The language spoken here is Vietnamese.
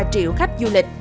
tám ba triệu khách du lịch